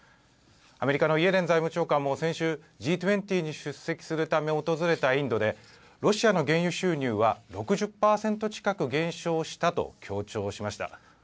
アメリカのイエレン財務長官も先週Ｇ２０に出席するため訪れたインドでロシアの原油収入は６０％近く減少したと強調しました。